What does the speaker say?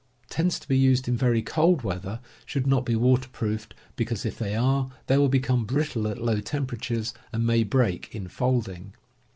Tents to be used in very cold weather should not be waterproofed, because, if they are, they will become brittle at low temperatures and may break in folding.